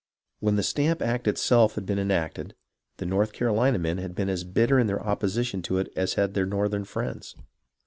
When the Stamp Act itself had been enacted, the North Carolina men had been as bitter in their opposition to it as had their Northern friends.